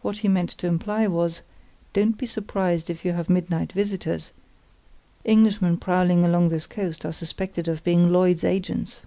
What he meant to imply was, "Don't be surprised if you have midnight visitors; Englishmen prowling along this coast are suspected of being Lloyd's agents."